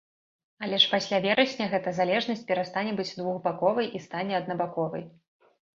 Але ж пасля верасня гэтая залежнасць перастане быць двухбаковай і стане аднабаковай.